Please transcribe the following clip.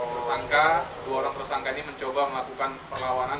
tersangka dua orang tersangka ini mencoba melakukan perlawanan